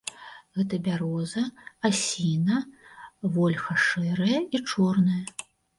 Гэта бяроза, асіна, вольха шэрая і чорная.